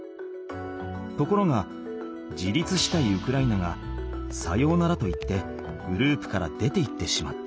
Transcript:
ところが自立したいウクライナが「さようなら」と言ってグループから出ていってしまった。